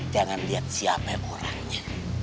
jangan lihat siapa orangnya